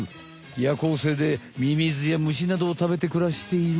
夜行性でミミズや虫などを食べてくらしている。